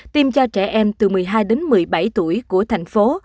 tiêm cho trẻ em từ một mươi hai đến một mươi bảy tuổi của thành phố